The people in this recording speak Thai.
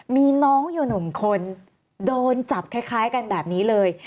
มีน้องอยู่หนุ่มคนโดนจับคล้ายกันแบบนี้เลย